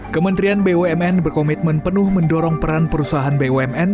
kementerian bumn berkomitmen penuh mendorong peran perusahaan bumn